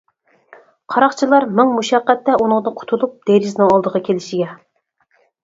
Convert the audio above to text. قاراقچىلار مىڭ مۇشەققەتتە ئۇنىڭدىن قۇتۇلۇپ دېرىزىنىڭ ئالدىغا كېلىشىگە.